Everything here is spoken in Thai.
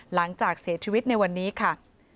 หลังจากเสียชีวิตในวันนี้ค่ะ